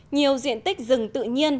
nhiều diện tích rừng tự nhiên